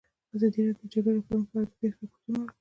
ازادي راډیو د د جګړې راپورونه په اړه د پېښو رپوټونه ورکړي.